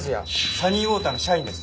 サニーウォーターの社員です。